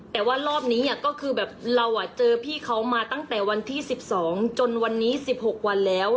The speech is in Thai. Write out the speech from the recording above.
แต่ว่ารอบนี้ก็คือแบบเราเจอพี่เขามาตั้งแต่วันที่๑๒จนวันนี้๑๖วันแล้ว